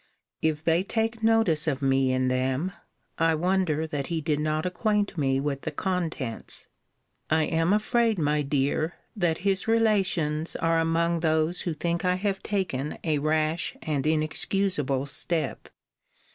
If they take notice of me in them, I wonder that he did not acquaint me with the contents. I am afraid, my dear, that his relations are among those who think I have taken a rash and inexcusable step.